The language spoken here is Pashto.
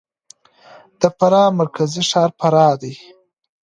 د فراه مرکزي ښار فراه دی.